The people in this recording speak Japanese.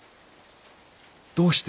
どうして？